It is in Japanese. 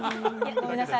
ごめんなさい。